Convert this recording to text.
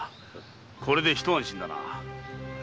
これでひと安心だな。